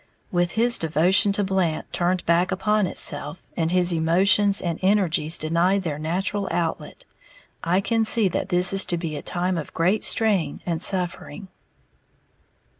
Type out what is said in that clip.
With his devotion to Blant turned back upon itself, and his emotions and energies denied their natural outlet, I can see that this is to be a time of great strain and suffering.